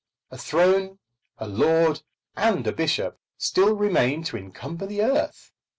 A throne, a lord, and a bishop still remain to encumber the earth!